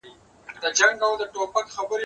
هغه وويل چي کالي وچول مهم دي